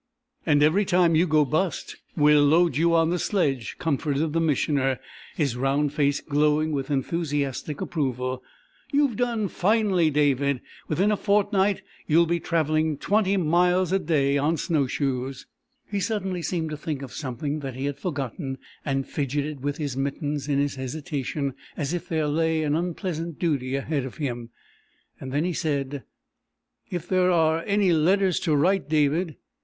"And every time you go bust we'll load you on the sledge," comforted the Missioner, his round face glowing with enthusiastic approval. "You've done finely, David. Within a fortnight you'll be travelling twenty miles a day on snow shoes." He suddenly seemed to think of something that he had forgotten and fidgeted with his mittens in his hesitation, as if there lay an unpleasant duty ahead of him. Then he said: "If there are any letters to write, David